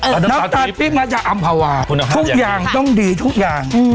น้ำตาลปิ้งมาจากอำภาวาทุกอย่างต้องดีทุกอย่าง